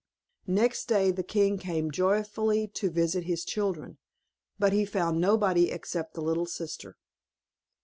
Next day, the king came joyfully to visit his children, but he found nobody except the little sister.